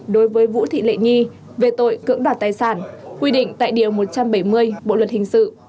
đối với vũ thị lệ nhi về tội cưỡng đoạt tài sản quy định tại điều một trăm bảy mươi bộ luật hình sự